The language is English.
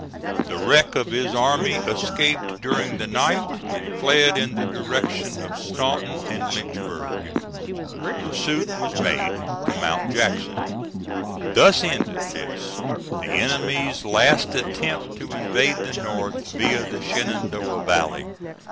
The wreck of his army escaped during the night, and fled in the direction of Staunton and Lynchburg. Pursuit was made to Mount Jackson. Thus ended this, the enemy's last attempt to invade the North via the Shenandoah Valley.